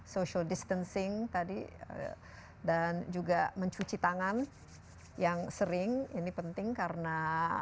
social distancing tadi dan juga mencuci tangan yang sering ini penting karena